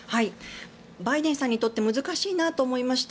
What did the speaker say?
バイデンさんにとって難しいなと思いました。